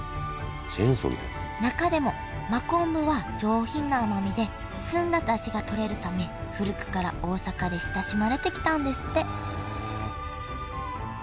中でも真昆布は上品な甘みで澄んだダシがとれるため古くから大阪で親しまれてきたんですって